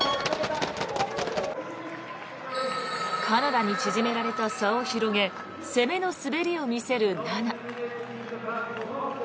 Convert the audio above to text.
カナダに縮められた差を広げ攻めの滑りを見せる菜那。